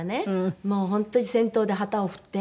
もう本当に先頭で旗を振って。